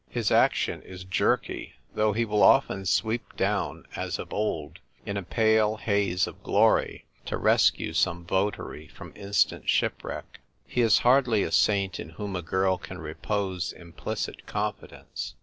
His action is jerky. Though he will often sweep down, as of old, in a pale haze of glory, to rescue some votary from instant shipwreck, he is hardly a saint in whom a girl can repose implicit confidence.